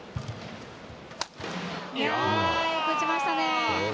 よく打ちましたね。